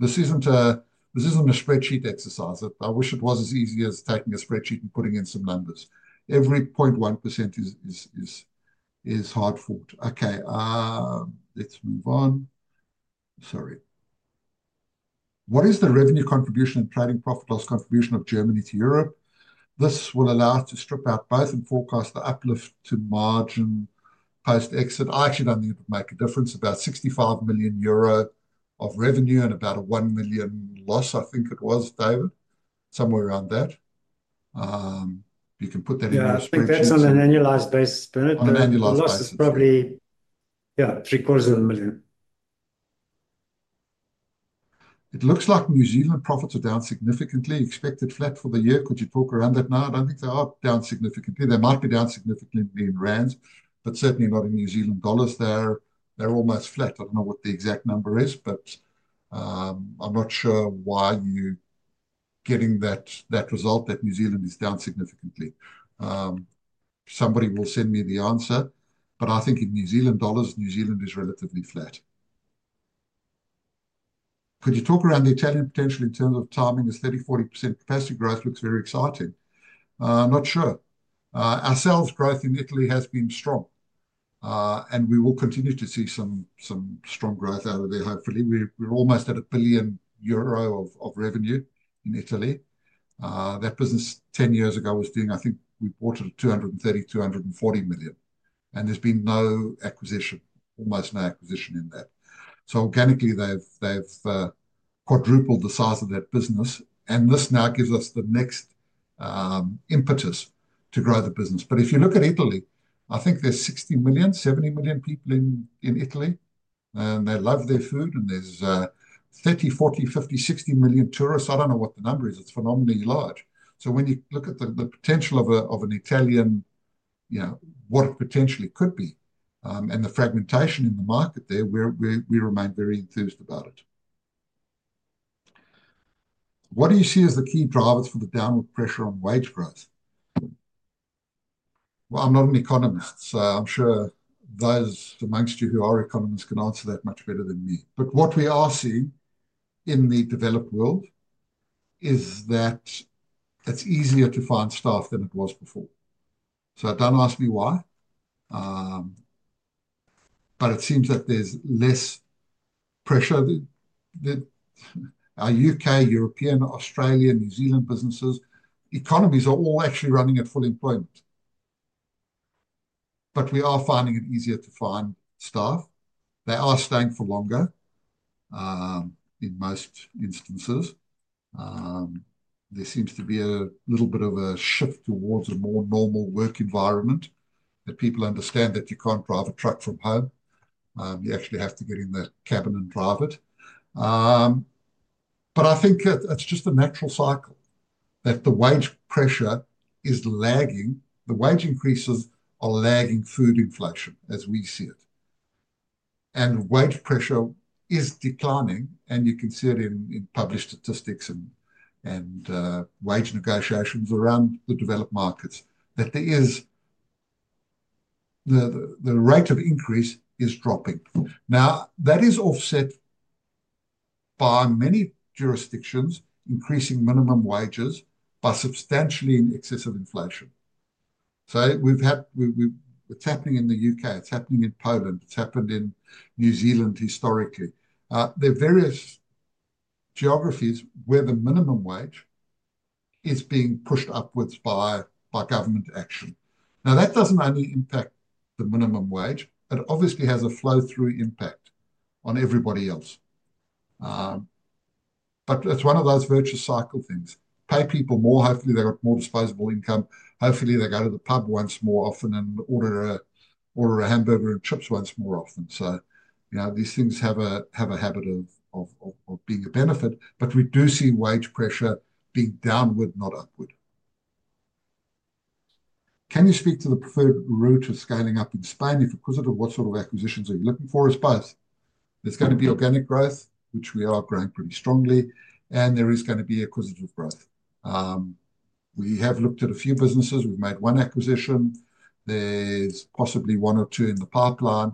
This isn't a spreadsheet exercise. I wish it was as easy as taking a spreadsheet and putting in some numbers. Every 0.1% is hard-fought. Okay. Let's move on. Sorry. What is the revenue contribution and trading profit loss contribution of Germany to Europe? This will allow us to strip out both and forecast the uplift to margin post-exit. I actually don't think it would make a difference. About 65 million euro of revenue and about a 1 million loss, I think it was, David, somewhere around that. You can put that in your spreadsheet. That's on an annualized basis, Bernard. On an annualized basis. Loss is probably, yeah, ZAR 750,000. It looks like New Zealand profits are down significantly. Expected flat for the year. Could you talk around that now? I don't think they are down significantly. They might be down significantly in rands, but certainly not in New Zealand dollars. They're almost flat. I don't know what the exact number is, but I'm not sure why you're getting that result that New Zealand is down significantly. Somebody will send me the answer. But I think in New Zealand dollars, New Zealand is relatively flat. Could you talk around the Italian potential in terms of timing? A 30%-40% capacity growth looks very exciting. Not sure. Our sales growth in Italy has been strong, and we will continue to see some strong growth out of there, hopefully. We're almost at 1 billion euro of revenue in Italy. That business, 10 years ago, was doing, I think, we bought it at 230-240 million. And there's been no acquisition, almost no acquisition in that. So organically, they've quadrupled the size of that business. And this now gives us the next impetus to grow the business. But if you look at Italy, I think there's 60-70 million people in Italy. And they love their food. And there's 30, 40, 50, 60 million tourists. I don't know what the number is. It's phenomenally large. So when you look at the potential of an Italian, what it potentially could be and the fragmentation in the market there, we remain very enthused about it. What do you see as the key drivers for the downward pressure on wage growth? Well, I'm not an economist, so I'm sure those amongst you who are economists can answer that much better than me. But what we are seeing in the developed world is that it's easier to find staff than it was before. So don't ask me why. But it seems that there's less pressure. Our U.K., European, Australia, New Zealand businesses, economies are all actually running at full employment. But we are finding it easier to find staff. They are staying for longer in most instances. There seems to be a little bit of a shift towards a more normal work environment that people understand that you can't drive a truck from home. You actually have to get in the cabin and drive it. But I think it's just a natural cycle that the wage pressure is lagging. The wage increases are lagging food inflation, as we see it. And wage pressure is declining. And you can see it in published statistics and wage negotiations around the developed markets that the rate of increase is dropping. Now, that is offset by many jurisdictions increasing minimum wages by substantially in excess of inflation. So what's happening in the U.K., it's happening in Poland. It's happened in New Zealand historically. There are various geographies where the minimum wage is being pushed upwards by government action. Now, that doesn't only impact the minimum wage. It obviously has a flow-through impact on everybody else. But it's one of those virtuous cycle things. Pay people more. Hopefully, they've got more disposable income. Hopefully, they go to the pub once more often and order a hamburger and chips once more often. So these things have a habit of being a benefit. But we do see wage pressure being downward, not upward. Can you speak to the preferred route of scaling up in Spain? If acquisitive, what sort of acquisitions are you looking for? It's both. There's going to be organic growth, which we are growing pretty strongly. And there is going to be acquisitive growth. We have looked at a few businesses. We've made one acquisition. There's possibly one or two in the pipeline.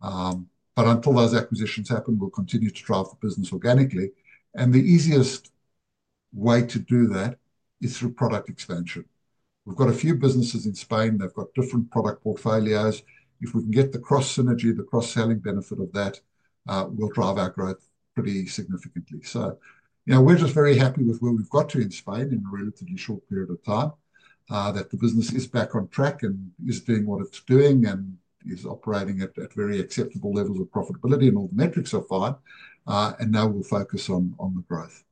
But until those acquisitions happen, we'll continue to drive the business organically. And the easiest way to do that is through product expansion. We've got a few businesses in Spain. They've got different product portfolios. If we can get the cross-synergy, the cross-selling benefit of that, we'll drive our growth pretty significantly. We're just very happy with where we've got to in Spain in a relatively short period of time, that the business is back on track and is doing what it's doing and is operating at very acceptable levels of profitability and all the metrics are fine. And now we'll focus on the growth.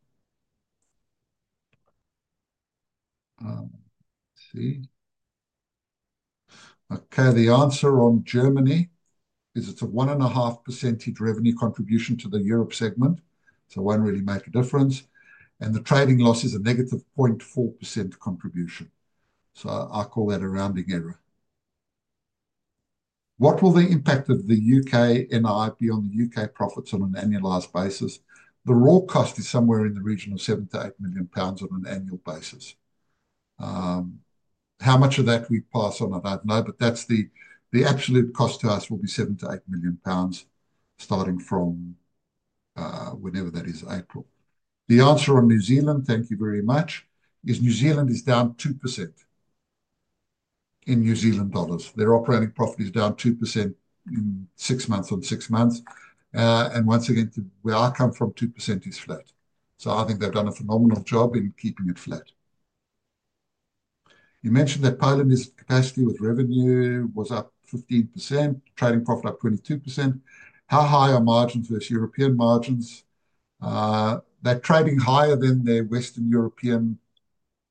The answer on Germany is it's a 1.5% revenue contribution to the Europe segment. So it won't really make a difference. And the trading loss is a negative 0.4% contribution. So I call that a rounding error. What will the impact of the U.K. NI be on the U.K. profits on an annualized basis? The raw cost is somewhere in the region of £7-£8 million on an annual basis. How much of that we pass on, I don't know. But the absolute cost to us will be £7-8 million starting from whenever that is, April. The answer on New Zealand, thank you very much, is New Zealand is down 2% in New Zealand dollars. Their operating profit is down 2% in six months on six months. And once again, where I come from, 2% is flat. So I think they've done a phenomenal job in keeping it flat. You mentioned that Poland's capacity with revenue was up 15%, trading profit up 22%. How high are margins versus European margins? They're trading higher than their Western European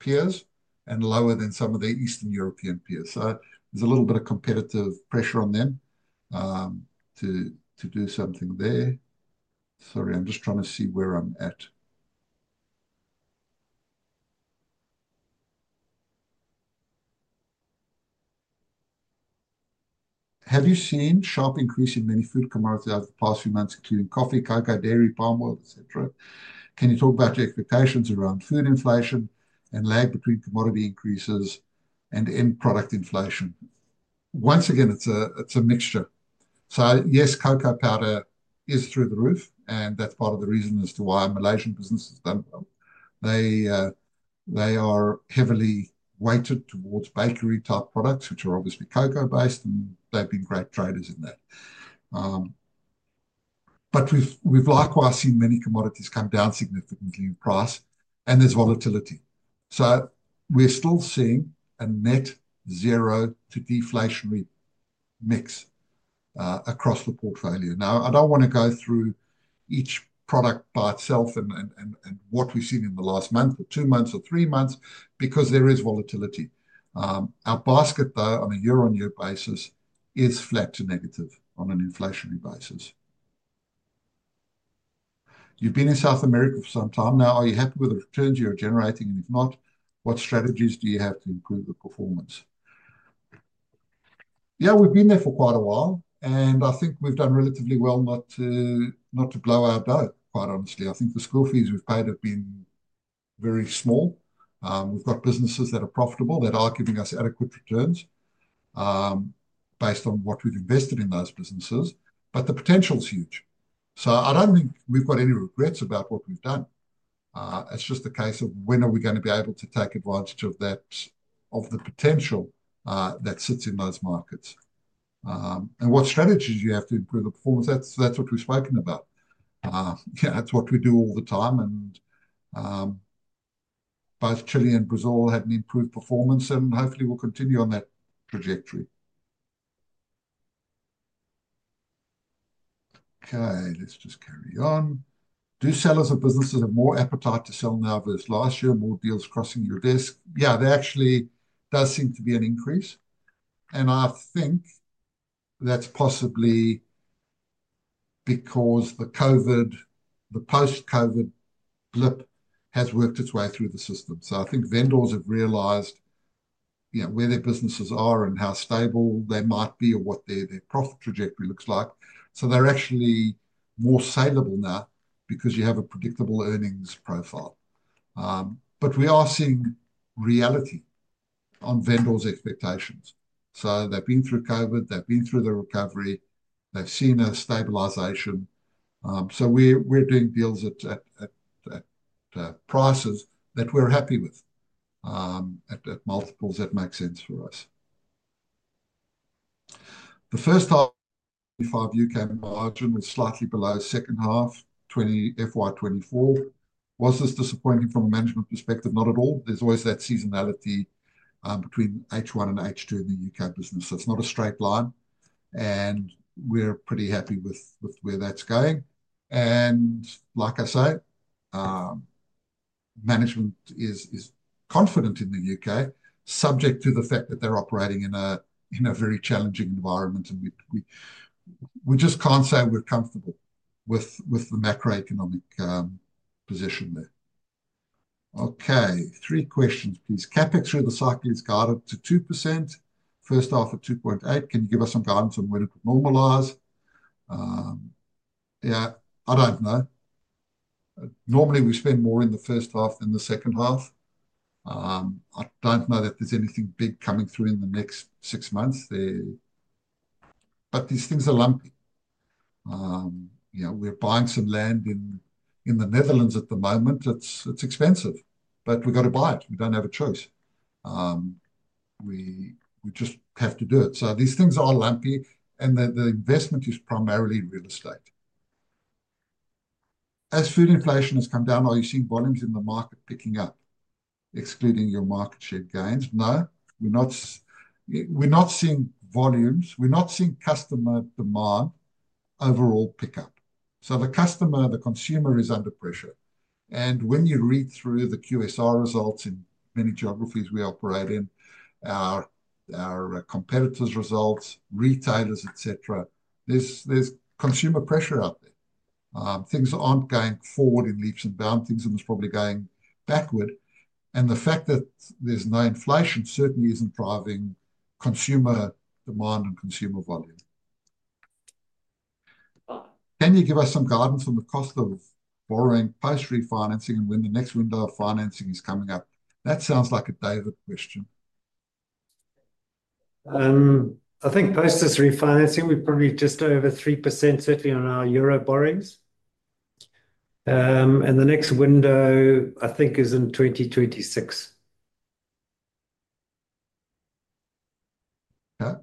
peers and lower than some of their Eastern European peers. So there's a little bit of competitive pressure on them to do something there. Sorry, I'm just trying to see where I'm at. Have you seen a sharp increase in many food commodities over the past few months, including coffee, cocoa, dairy, palm oil, etc.? Can you talk about your expectations around food inflation and lag between commodity increases and end product inflation? Once again, it's a mixture. So yes, cocoa powder is through the roof. And that's part of the reason as to why Malaysian businesses don't grow. They are heavily weighted towards bakery-type products, which are obviously cocoa-based, and they've been great traders in that. But we've likewise seen many commodities come down significantly in price, and there's volatility. So we're still seeing a net zero to deflationary mix across the portfolio. Now, I don't want to go through each product by itself and what we've seen in the last month or two months or three months because there is volatility. Our basket, though, on a year-on-year basis, is flat to negative on an inflationary basis. You've been in South America for some time now. Are you happy with the returns you're generating? And if not, what strategies do you have to improve the performance? Yeah, we've been there for quite a while. And I think we've done relatively well not to blow our dough, quite honestly. I think the school fees we've paid have been very small. We've got businesses that are profitable that are giving us adequate returns based on what we've invested in those businesses. But the potential is huge. So I don't think we've got any regrets about what we've done. It's just a case of when are we going to be able to take advantage of the potential that sits in those markets? And what strategies do you have to improve the performance? That's what we've spoken about. Yeah, that's what we do all the time. And both Chile and Brazil have an improved performance, and hopefully, we'll continue on that trajectory. Okay. Let's just carry on. Do sellers of businesses have more appetite to sell now versus last year? More deals crossing your desk? Yeah, there actually does seem to be an increase. And I think that's possibly because the post-COVID blip has worked its way through the system. So I think vendors have realized where their businesses are and how stable they might be or what their profit trajectory looks like. So they're actually more saleable now because you have a predictable earnings profile. But we are seeing reality on vendors' expectations. So they've been through COVID. They've been through the recovery. They've seen a stabilization. So we're doing deals at prices that we're happy with at multiples that make sense for us. The first half of FY25 U.K. margin was slightly below second half, FY24. Was this disappointing from a management perspective? Not at all. There's always that seasonality between H1 and H2 in the U.K. business. It's not a straight line. And we're pretty happy with where that's going. And like I say, management is confident in the U.K., subject to the fact that they're operating in a very challenging environment. And we just can't say we're comfortable with the macroeconomic position there. Okay. Three questions, please. CapEx through the cycle is guided to 2%. First half at 2.8%. Can you give us some guidance on when it would normalize? Yeah, I don't know. Normally, we spend more in the first half than the second half. I don't know that there's anything big coming through in the next six months, but these things are lumpy. We're buying some land in the Netherlands at the moment. It's expensive, but we've got to buy it. We don't have a choice. We just have to do it, so these things are lumpy, and the investment is primarily real estate. As food inflation has come down, are you seeing volumes in the market picking up, excluding your market share gains? No. We're not seeing volumes. We're not seeing customer demand overall pickup, so the customer, the consumer, is under pressure, and when you read through the QSR results in many geographies we operate in, our competitors' results, retailers, etc., there's consumer pressure out there. Things aren't going forward in leaps and bounds. Things are probably going backward. The fact that there's no inflation certainly isn't driving consumer demand and consumer volume. Can you give us some guidance on the cost of borrowing post-refinancing and when the next window of financing is coming up? That sounds like a David question. I think post-this refinancing, we're probably just over 3%, certainly on our euro borrowings. The next window, I think, is in 2026. Okay.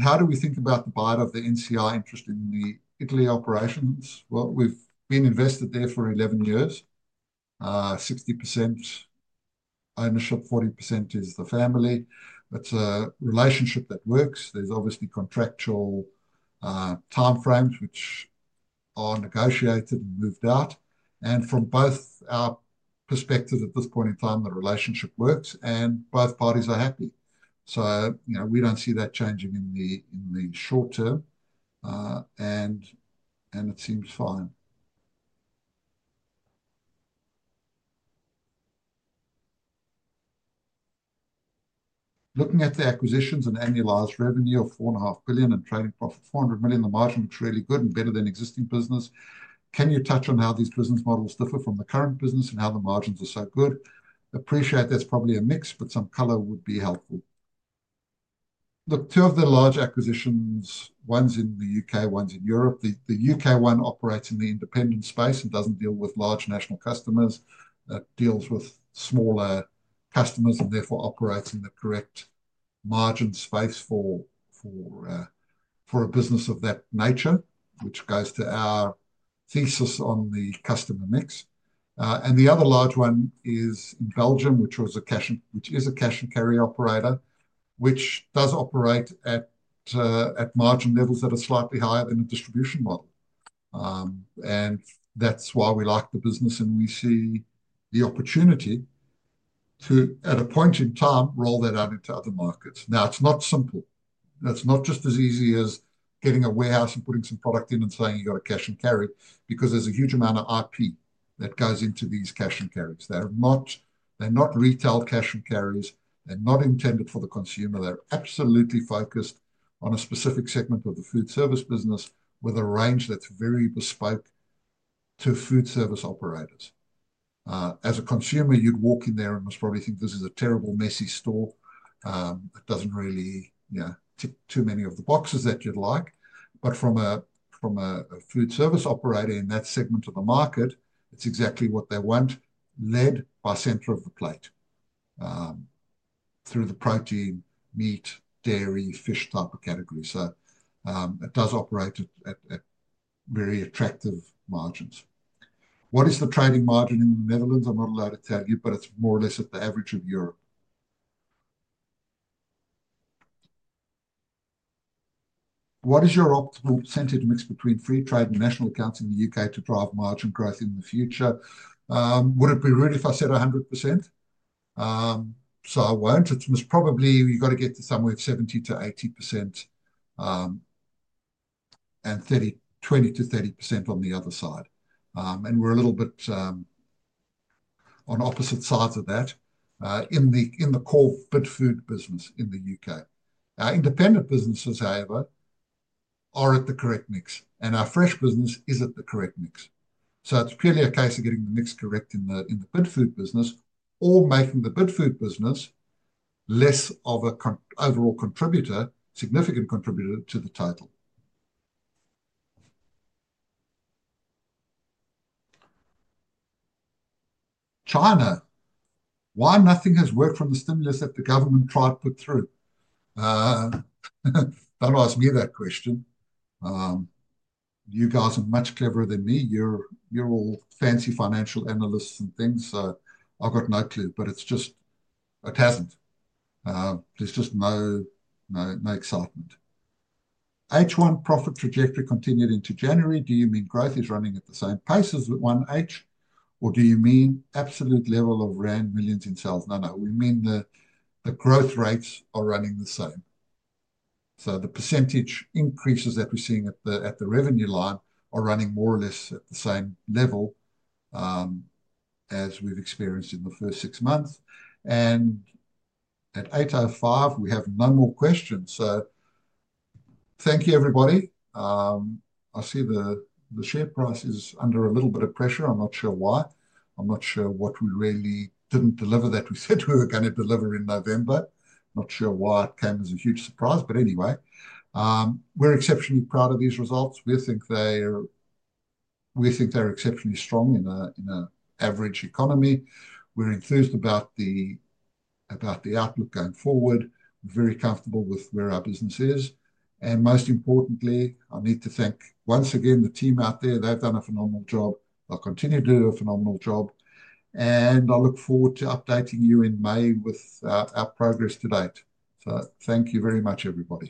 How do we think about the buyer of the NCI interest in the Italy operations? We've been invested there for 11 years. 60% ownership, 40% is the family. It's a relationship that works. There's obviously contractual timeframes, which are negotiated and moved out. From both our perspectives at this point in time, the relationship works, and both parties are happy. We don't see that changing in the short term. It seems fine. Looking at the acquisitions and annualized revenue of 4.5 billion and trading profit of 400 million, the margin looks really good and better than existing business. Can you touch on how these business models differ from the current business and how the margins are so good? Appreciate that's probably a mix, but some color would be helpful. Look, two of the large acquisitions, one's in the U.K., one's in Europe. The U.K. one operates in the independent space and doesn't deal with large national customers. It deals with smaller customers and therefore operates in the correct margin space for a business of that nature, which goes to our thesis on the customer mix. And the other large one is in Belgium, which is a cash and carry operator, which does operate at margin levels that are slightly higher than a distribution model. And that's why we like the business, and we see the opportunity to, at a point in time, roll that out into other markets. Now, it's not simple. It's not just as easy as getting a warehouse and putting some product in and saying you've got a cash and carry because there's a huge amount of IP that goes into these cash and carries. They're not retail cash and carries. They're not intended for the consumer. They're absolutely focused on a specific segment of the foodservice business with a range that's very bespoke to foodservice operators. As a consumer, you'd walk in there and most probably think this is a terrible, messy store. It doesn't really tick too many of the boxes that you'd like. But from a foodservice operator in that segment of the market, it's exactly what they want, led by center of the plate through the protein, meat, dairy, fish type of category. So it does operate at very attractive margins. What is the trading margin in the Netherlands? I'm not allowed to tell you, but it's more or less at the average of Europe. What is your optimal percentage mix between Free Trade and National Accounts in the U.K. to drive margin growth in the future? Would it be rude if I said 100%? So I won't. It's most probably you've got to get to somewhere of 70%-80% and 20%-30% on the other side. And we're a little bit on opposite sides of that in the core Bidfood business in the U.K. Independent businesses, however, are at the correct mix. And our Fresh business is at the correct mix. So it's purely a case of getting the mix correct in the Bidfood business or making the Bidfood business less of an overall significant contributor to the total. China, why nothing has worked from the stimulus that the government tried to put through? Don't ask me that question. You guys are much cleverer than me. You're all fancy financial analysts and things. So I've got no clue. But it's just it hasn't. There's just no excitement. H1 profit trajectory continued into January. Do you mean growth is running at the same pace as 1H, or do you mean absolute level of Rand millions in sales? No, no. We mean the growth rates are running the same. The percentage increases that we're seeing at the revenue line are running more or less at the same level as we've experienced in the first six months. At 8:05, we have no more questions. Thank you, everybody. I see the share price is under a little bit of pressure. I'm not sure why. I'm not sure what we really didn't deliver that we said we were going to deliver in November. Not sure why it came as a huge surprise. Anyway, we're exceptionally proud of these results. We think they are exceptionally strong in an average economy. We're enthused about the outlook going forward. Very comfortable with where our business is. Most importantly, I need to thank once again the team out there. They've done a phenomenal job. They'll continue to do a phenomenal job. And I look forward to updating you in May with our progress to date. So thank you very much, everybody.